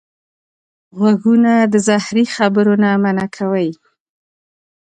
غوږونه د زهري خبرو نه منع کوي